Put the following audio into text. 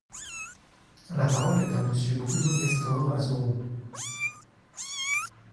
La parole est à Monsieur Bruno Nestor Azerot.